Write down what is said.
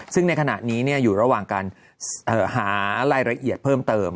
ซึ่งในขณะนี้อยู่ระหว่างการหารายละเอียดเพิ่มเติม